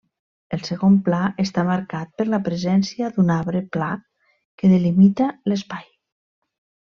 El segon pla està marcat per la presència d'un arbre pla que delimita l'espai.